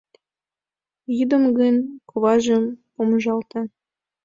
Йӱдым гын коважым помыжалта.